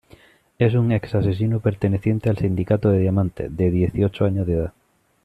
Es un ex-asesino perteneciente al Sindicato de Diamantes, de dieciocho años de edad.